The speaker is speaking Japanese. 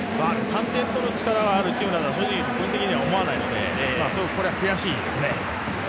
３点取る力があるチームだとは、基本的に思わないのでこれは悔しいですね。